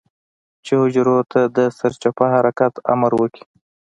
چې حجرو ته د سرچپه حرکت امر وکي.